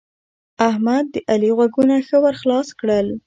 احمد؛ د علي غوږونه ښه ور خلاص کړل.